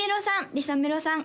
りさめろさん